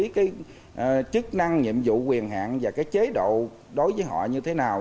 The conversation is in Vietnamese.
cái chức năng nhiệm vụ quyền hạn và cái chế độ đối với họ như thế nào